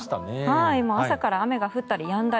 朝から雨が降ったりやんだり。